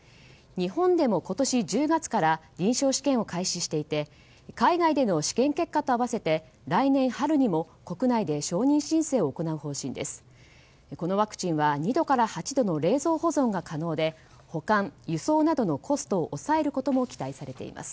日本でも今年１０月から臨床試験を開始していて海外での試験結果と合わせて来年春にも国内で承認申請を行う方針です。